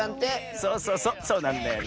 そうそうそうそうなんだよね。